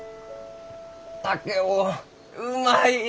竹雄うまい！